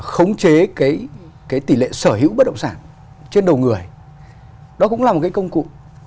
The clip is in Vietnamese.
khống chế cái tỷ lệ sở hữu bất động sản trên đầu người đó cũng là một cái công cụ